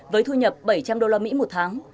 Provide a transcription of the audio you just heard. với thu nhập bảy trăm linh usd một tháng